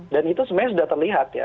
dan itu sebenarnya sudah terlihat ya